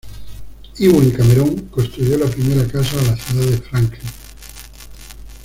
Ewen Cameron construyó la primera casa a la ciudad de Franklin.